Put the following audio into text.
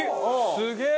すげえ！